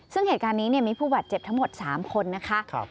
ซึ่งเหตุการณ์นี้มีผู้บาดเจ็บทั้งหมด๓คนนะคะ